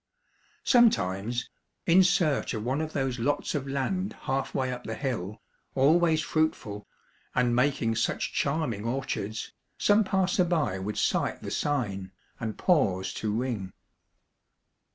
Sometimes, in search of one of those lots of land half way up the hill, always fruitful, and making such charming or ,chards, some passer by would sight the sign, and pause to ring.